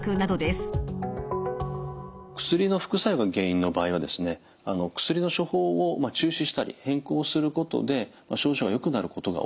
薬の副作用が原因の場合はですね薬の処方を中止したり変更することで症状がよくなることが多いです。